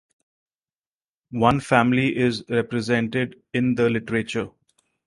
One family is represented in the literature.